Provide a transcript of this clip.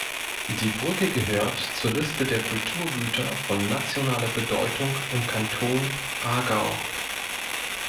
Die Brücke gehört zur Liste der Kulturgüter von nationaler Bedeutung im Kanton Aargau.